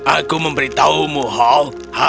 aku memberitahumu hall hati hati